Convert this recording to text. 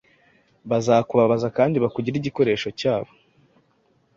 Bazakubabaza kandi bakugire igikoresho cyabo.